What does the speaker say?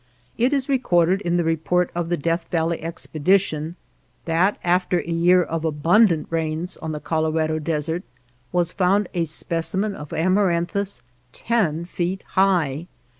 It is recorded in the report of the Death Valley expedition that after a year of abundant , rains, on the Colorado desert was found a \ specimen of Amaranthus ten feet high.